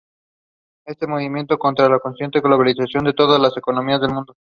Este es un movimiento contra la creciente globalización de todas las economías del mundo.